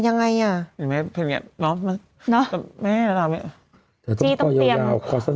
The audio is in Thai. จงเหนียวค่ะ